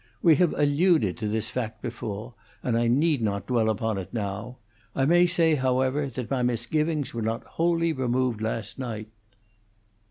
We have alluded to this fact before, and I need not dwell upon it now: I may say, however, that my misgivings were not wholly removed last night."